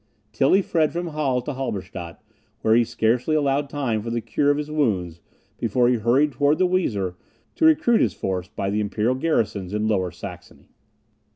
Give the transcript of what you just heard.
Tilly fled from Halle to Halberstadt, where he scarcely allowed time for the cure of his wounds, before he hurried towards the Weser to recruit his force by the imperial garrisons in Lower Saxony.